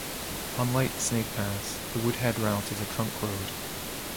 Unlike Snake Pass, the Woodhead route is a trunk road.